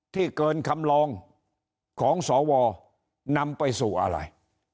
ที่เกินคำลองของสวนำไปสู่อะไร